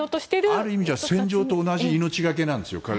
ある意味では彼らも戦場と同じなんですよ。